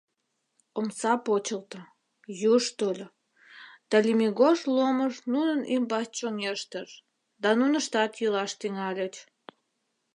Омса почылто, юж тольо, да лӱмегож ломыж нунын ӱмбач чоҥештыш да нуныштат йӱлаш тӱҥальыч.